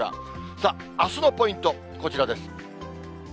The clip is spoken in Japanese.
さあ、あすのポイント、こちらです。